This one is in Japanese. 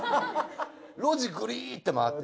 路地ぐりって回って。